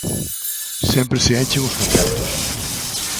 Sempre se enchen os concertos.